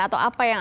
atau apa yang